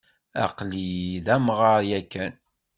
Aql-i d amɣar yakan.